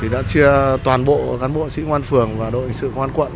đã chia toàn bộ cán bộ chỉ ngoan phường và đội chỉ ngoan quận